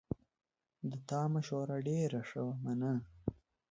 د تا مشوره ډېره ښه وه، مننه